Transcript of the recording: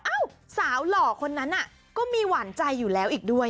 สาวหล่อคนนั้นก็มีหวานใจอยู่แล้วอีกด้วย